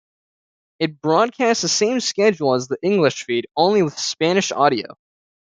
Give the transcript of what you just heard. It broadcast the same schedule as the English feed, only with Spanish audio.